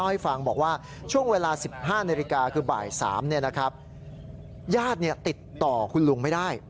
ญาติติดต่อคุณลุงไม่ได้